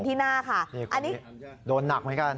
ที่หน้าค่ะโดนหนักไหมกัน